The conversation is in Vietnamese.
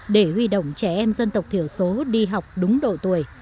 để huy động trẻ em dân tộc thiểu số đi học đúng độ tuổi